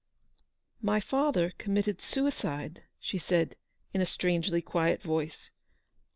" My father committed suicide \" she said, in a strangely quiet voice.